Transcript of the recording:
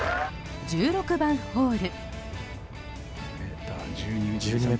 １６番ホール。